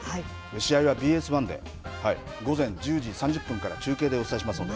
試合はＢＳ１で、午前１０時３０分から中継でお伝えしますので。